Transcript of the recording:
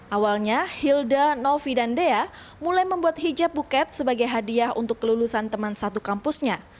awalnya hilda novi dan dea mulai membuat hijab buket sebagai hadiah untuk kelulusan teman satu kampusnya